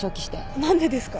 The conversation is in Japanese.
何でですか？